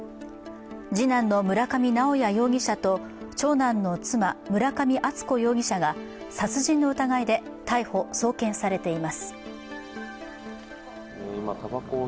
次男の村上直哉容疑者と長男の妻・村上敦子容疑者が殺人の疑いで逮捕・送検されています。